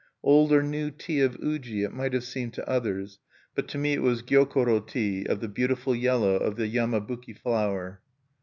Old or new tea of Uji it might have seemed to others; but to me it was Gyokoro tea, of the beautiful yellow of the yamabuki flower.